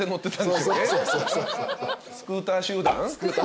スクーター集団？